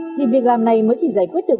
thì việc làm này mới chỉ giải quyết được